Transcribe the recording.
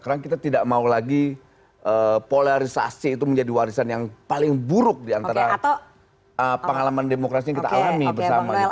karena kita tidak mau lagi polarisasi itu menjadi warisan yang paling buruk diantara pengalaman demokrasi yang kita alami bersama gitu